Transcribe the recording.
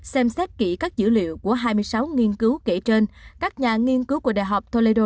xem xét kỹ các dữ liệu của hai mươi sáu nghiên cứu kể trên các nhà nghiên cứu của đại học toledo